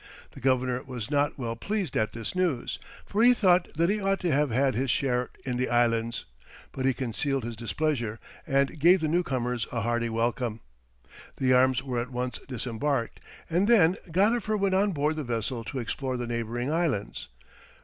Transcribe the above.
The governor was not well pleased at this news, for he thought that he ought to have had his share in the islands; but he concealed his displeasure, and gave the new comers a hearty welcome. The arms were at once disembarked, and then Gadifer went on board the vessel to explore the neighbouring islands.